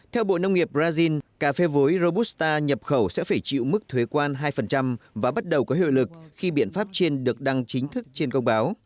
theo bộ nông nghiệp brazil cà phê vối robusta nhập khẩu sẽ phải chịu mức thuế quan hai và bắt đầu có hiệu lực khi biện pháp trên được đăng chính thức trên công báo